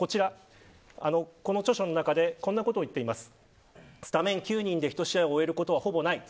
この著書の中でこんなこといっています。